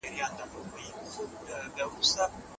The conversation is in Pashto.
په عاشقي کي بې صبرې مزه کوینه